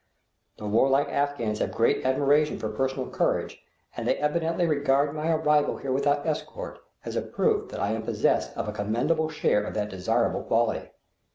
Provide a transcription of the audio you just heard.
The warlike Afghans have great admiration for personal courage, and they evidently regard my arrival here without escort as a proof that I am possessed of a commendable share of that desirable quality.